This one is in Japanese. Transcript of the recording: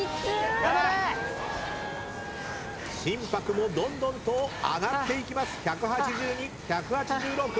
心拍もどんどんと上がっていきます。